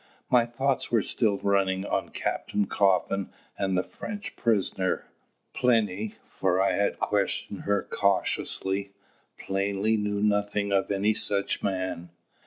My thoughts were still running on Captain Coffin and the French prisoner. Plinny for I had questioned her cautiously plainly knew nothing of any such man.